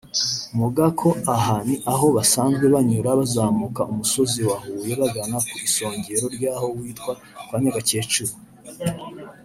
Mu Gako aha ni aho basanzwe banyura bazamuka umusozi wa Huye bagana ku isongero ryawo hitwa Kwa Nyagakecuru